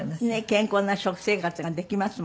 健康な食生活ができます